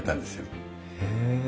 へえ。